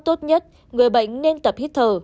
tốt nhất người bệnh nên tập hít thở